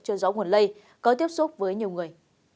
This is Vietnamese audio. trên gió nguồn lây có tiếp xúc với nhiều người